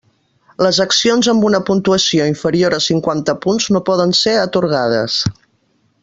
Les accions amb una puntuació inferior a cinquanta punts no poden ser atorgades.